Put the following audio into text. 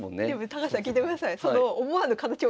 高橋さん聞いてください。